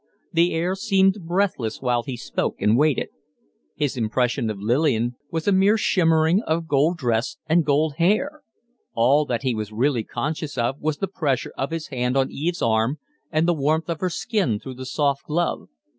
The air seemed breathless while he spoke and waited. His impression of Lillian was a mere shimmering of gold dress and gold hair; all that he was really conscious of was the pressure of his hand on Eve's arm and the warmth of her skin through the soft glove.